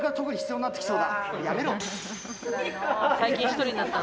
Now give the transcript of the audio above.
そうだな